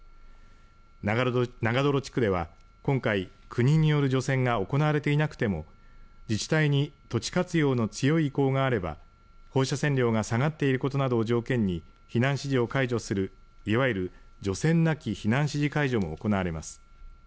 長泥地区では今回、国による除染が行われていなくても自治体に土地活用の強い意向があれば放射線量が下がっていることなどを条件に避難指示を解除するいわゆる除染なき避難指示解除も行われます。